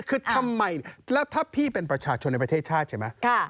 คือทำไมแล้วถ้าพี่เป็นประชาชนในประเทศชาติใช่ไหม